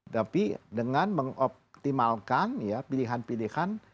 tapi dengan mengoptimalkan pilihan pilihan